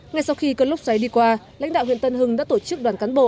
ngay sau khi cơn lốc xoáy đi qua lãnh đạo huyện tân hưng đã tổ chức đoàn cán bộ